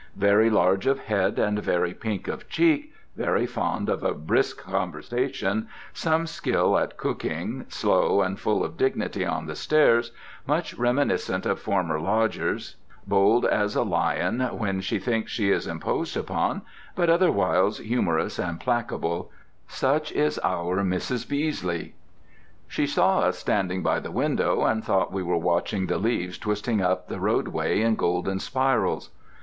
Very large of head and very pink of cheek, very fond of a brisk conversation, some skill at cooking, slow and full of dignity on the stairs, much reminiscent of former lodgers, bold as a lion when she thinks she is imposed upon, but otherwhiles humorous and placable—such is our Mrs. Beesley. She saw us standing by the window, and thought we were watching the leaves twisting up the roadway in golden spirals.